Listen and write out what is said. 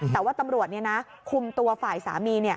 แต่ว่าตำรวจคุมตัวฝ่ายสามี